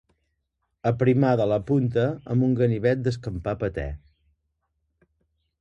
Aprimar de la punta amb una ganivet d'escampar patè.